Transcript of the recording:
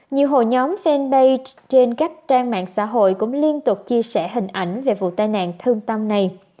nhiều hội nhóm fanpage trên các trang mạng xã hội cũng liên tục chia sẻ hình ảnh về vụ tai nạn thương tâm này